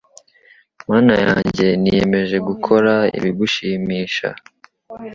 Mana yanjye niyemeje gukora ibigushimisha